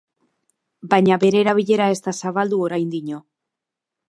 Baina bere erabilera ez da zabaldu oraindino.